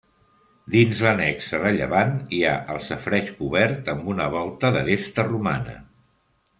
Dins l'annexa de llevant hi ha el safareig cobert amb una volta d'aresta romana.